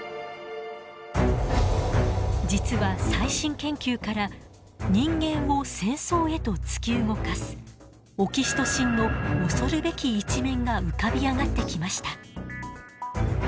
実は最新研究から人間を戦争へと突き動かすオキシトシンの恐るべき一面が浮かび上がってきました。